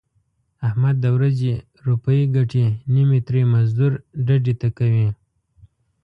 احمد د ورځې روپۍ ګټي نیمې ترې مزدور ډډې ته کوي.